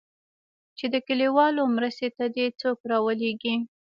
چې د كليوالو مرستې ته دې څوك راولېږي.